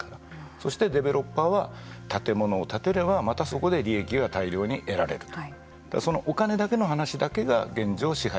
そして、デベロッパーは建物を建てればまたそこで利益が貸料が得られると。